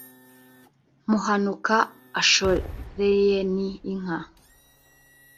muhanuka ashoreyen inka